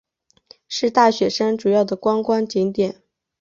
是大雪山主要的观光景点。